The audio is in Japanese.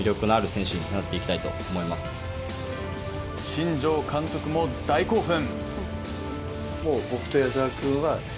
新庄監督も大興奮。